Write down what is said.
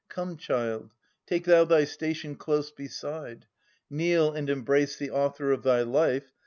Come, child, take thou thy station close beside : Kneel and embrace the author of thy life.